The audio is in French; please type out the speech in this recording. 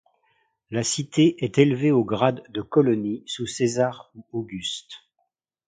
La cité est élevée au grade de colonie sous César ou Auguste.